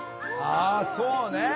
あそうね